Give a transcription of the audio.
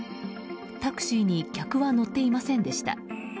タクシーに客は乗っていませんでした。